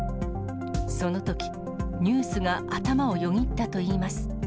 そのとき、ニュースが頭をよぎったといいます。